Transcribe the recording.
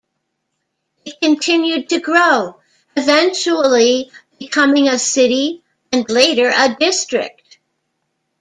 It continued to grow, eventually becoming a city and later a district.